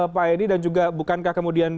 pak edi dan juga bukankah kemudian